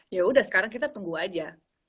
ya udah sekarang kita tunggu aja